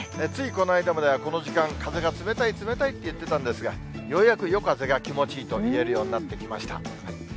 ついこの間までは、この時間、風が冷たい冷たいって言ってたんですが、ようやく夜風が気持ちいいと言えるようになってきました。